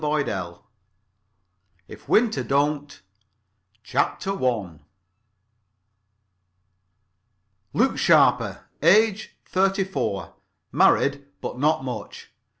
[Pg 1] IF WINTER DON'T CHAPTER I Luke Sharper. Age, thirty four. Married, but not much.